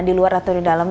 diluar atau di dalam